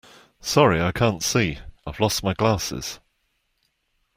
Sorry, I can't see. I've lost my glasses